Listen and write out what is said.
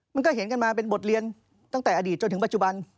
มันก็เห็นกันมาเป็นบทเรียนตั้งแต่อดีตจนถึงปัจจุบัน